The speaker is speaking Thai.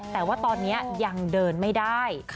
แต่ว่าตอนนี้ยังเดินไม่ได้